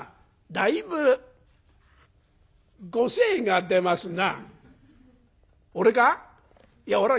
「だいぶご精が出ますな」。